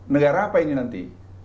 negara apa ini nanti